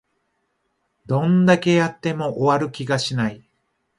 どんだけやっても終わる気がしない